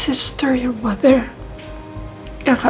dia tidak mau menolong mama kamu